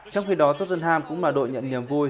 trong khi đó tottenham cũng là đội nhận nhầm vui